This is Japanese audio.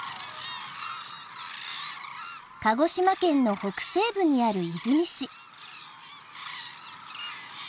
鹿児島県の北西部にある出水市。